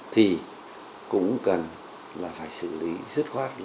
thì cũng cần là phải xử lý sức khoát